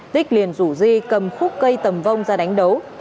tích liền rủ di cầm khúc cây tầm vong ra đánh đấu